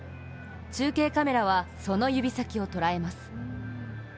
中継カメラは、その指先をとらえます。